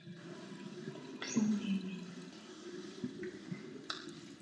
The highway passes through wheat, barley, wool and livestock farms.